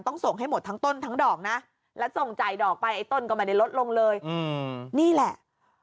ส่งให้หมดทั้งต้นทั้งดอกนะแล้วส่งจ่ายดอกไปไอ้ต้นก็ไม่ได้ลดลงเลยนี่แหละ